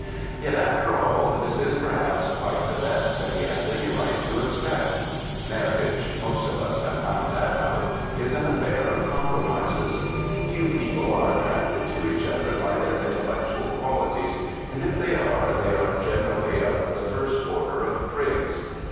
Yet, after all, this is perhaps quite the best that he has any right to expect. Marriage ŌĆö most of us have found that out ŌĆö is an affcdr of compromises. Few people are attracted to each other by their intellectual qualities, and, if they are, they are generally of the first order of prigs.